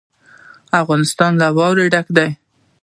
افغانستان له واوره ډک دی.